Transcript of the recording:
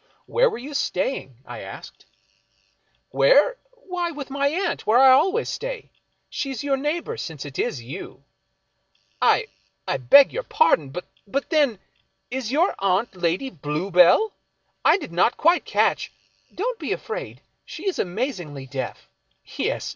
" Where were you staying? " I asked. " Where ? Why, v/ith my aunt, where I always stay. She is your neighbor, since it is you." " I — beg your pardon — but then — is your aunt Lady Blue bell ? I did not quite catch "" Don't be afraid. She is amazingly deaf. Yes.